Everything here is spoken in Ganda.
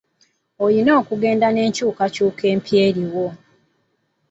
Olina okugenda n'enkyuukakyuuka empya eriwo.